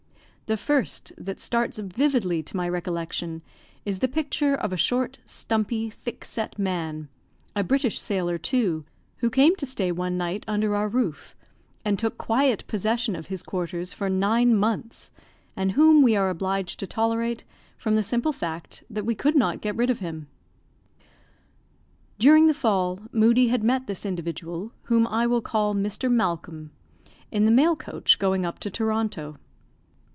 The first that starts vividly to my recollection is the picture of a short, stumpy, thickset man a British sailor, too who came to stay one night under our roof, and took quiet possession of his quarters for nine months, and whom we were obliged to tolerate from the simple fact that we could not get rid of him. During the fall, Moodie had met this individual (whom I will call Mr. Malcolm) in the mail coach, going up to Toronto.